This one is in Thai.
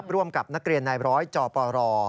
ร่วมกับนักเรียนนายร้อยจปร